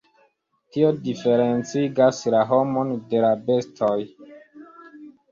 Tio diferencigas la homon de la bestoj.